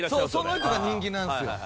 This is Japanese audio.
その人が人気なんですよ。